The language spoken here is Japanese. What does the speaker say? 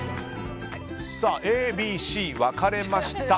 Ａ、Ｂ、Ｃと分かれました。